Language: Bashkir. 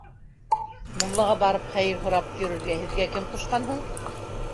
Муллаға барып хәйер һорап йөрөргә һеҙгә кем ҡушҡан һуң?